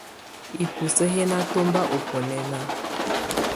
Ibusǝ́ yɛ̀ nà tɔmba ù bunɛna.